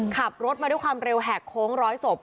ขับรถมาด้วยความเร็วแหกโค้งร้อยศพ